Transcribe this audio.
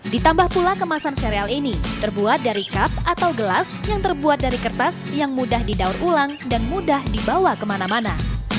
ditambah pula kemasan serial ini terbuat dari cup atau gelas yang terbuat dari kertas yang mudah didaur ulang dan mudah dibawa kemana mana